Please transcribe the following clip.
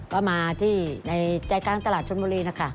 ก็มาที่ในใจกลางตลาดชนบุรีนะคะ